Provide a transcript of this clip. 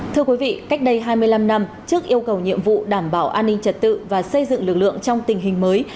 thưa quý vị cách đây hai mươi năm năm trước yêu cầu nhiệm vụ đảm bảo an ninh trật tự và xây dựng lực lượng trong tình hình mới